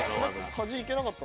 端行けなかった。